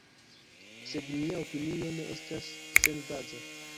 Sed mia opinio ne estas senbaza.